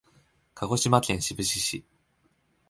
鹿児島県志布志市